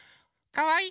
かわいい。